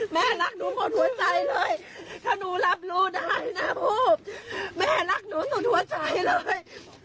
แม่รักหนูหมดหัวใจเลยถ้าหนูรับรู้ได้นะลูกแม่รักหนูสุดหัวใจเลย